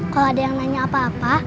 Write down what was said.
kalau ada yang nanya apa apa